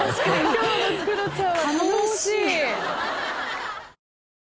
今日のクロちゃんは。